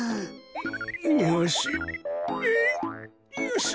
よし。